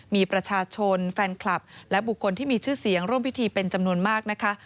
มีประชาชนแฟนคลับและบุคคลที่มีชื่อเสียงร่วมพิธีเป็นจำนวนมากนะคะ